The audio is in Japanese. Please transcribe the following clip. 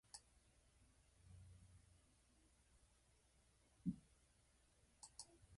次に、ほかの者たちの顔もそこから現われた。小さい声でだが、高低いろいろまじった合唱の歌さえ、聞こえてきた。